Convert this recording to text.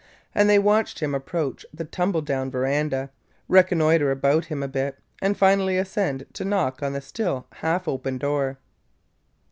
And they watched him approach the tumble down veranda, reconnoiter about him a bit, and finally ascend to knock on the still half open door.